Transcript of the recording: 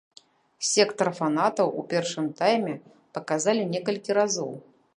Сектар фанатаў у першым тайме паказалі некалькі разоў.